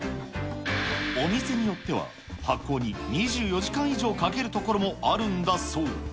お店によっては、発酵に２４時間以上かけることもあるんだそう。